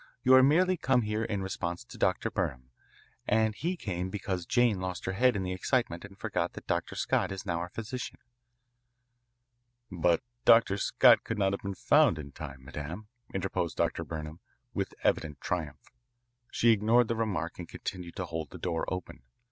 You have merely come here in response to Dr. Burnham, and he came because Jane lost her head in the excitement and forgot that Dr. Scott is now our physician." "But Dr. Scott could not have been found in time, madame," interposed Dr. Burnham with evident triumph. She ignored the remark and continued to hold the door open.